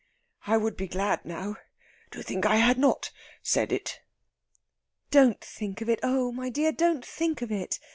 I would be glad now to think I had not said it." "Don't think of it. Oh, my dear, don't think of it!